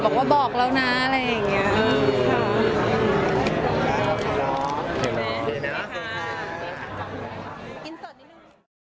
บอกว่าบอกแล้วนะอะไรอย่างนี้